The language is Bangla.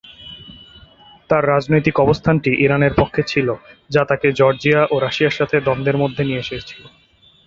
তার রাজনৈতিক অবস্থানটি ইরানের পক্ষে ছিল যা তাকে জর্জিয়া ও রাশিয়ার সাথে দ্বন্দ্বের মধ্যে নিয়ে এসেছিল।